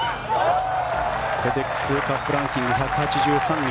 フェデックスランキング１８３位。